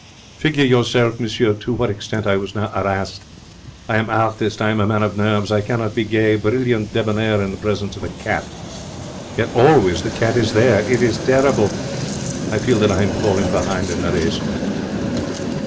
Figure yourself, monsieur, to what extent I was now 'arassed. I am artist. I am a man of nerves. I cannot be gay, brilliant, debonair in the presence of a cat. Yet always the cat is there. It is terrible. I feel that I am falling behind in the race.